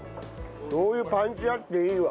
しょう油パンチあっていいわ。